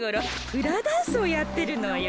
フラダンスをやってるのよ。